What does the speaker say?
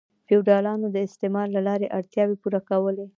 فیوډالانو د استثمار له لارې اړتیاوې پوره کولې.